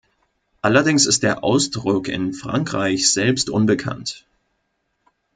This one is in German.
Allerdings ist der Ausdruck in Frankreich selbst unbekannt.